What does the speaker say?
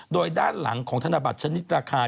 โดยด้านหลังของธนบัตรชนิดราคา